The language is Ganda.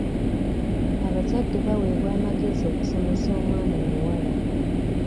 Abazadde baweebwa amagezi okusomesa omwana omuwala.